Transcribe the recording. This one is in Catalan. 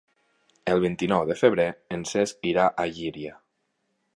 El vint-i-nou de febrer en Cesc irà a Llíria.